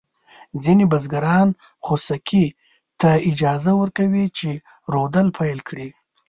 ځینې بزګران خوسکي ته اجازه ورکوي چې رودل پيل کړي.